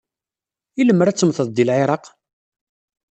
I lemmer ad temmted deg Lɛiraq?